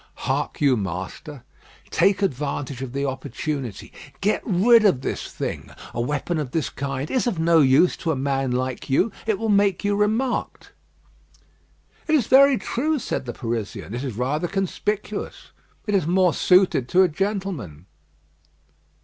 "Hark you, master. Take advantage of the opportunity. Get rid of this thing. A weapon of this kind is of no use to a man like you. It will make you remarked." "It is very true," said the Parisian. "It is rather conspicuous. It is more suited to a gentleman."